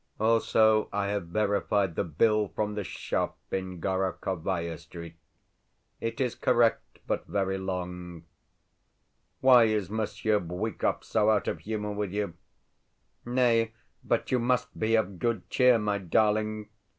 Also I have verified the bill from the shop in Gorokhovaia Street. It is correct, but very long. Why is Monsieur Bwikov so out of humour with you? Nay, but you must be of good cheer, my darling.